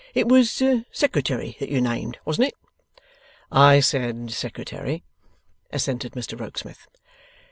'It was Secretary that you named; wasn't it?' 'I said Secretary,' assented Mr Rokesmith.